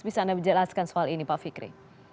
bisa anda jelaskan soal ini pak fikri